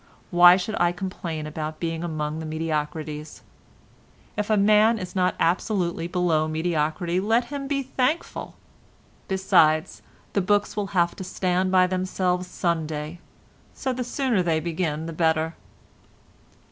Why should I complain of being among the mediocrities? If a man is not absolutely below mediocrity let him be thankful—besides, the books will have to stand by themselves some day, so the sooner they begin the better."